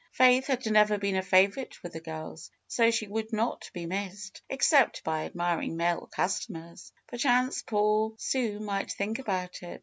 Faith had never been a favorite with the girls, so she would not be missed, except by admiring male cus tomers. Perchance poor Sue might think about it.